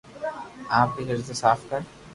آپري ھردي صاف ڪر